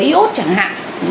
iod chẳng hạn